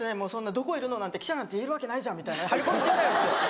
「どこいるの？」なんて記者なんて言えるわけないじゃんみたいな張り込み中だよって。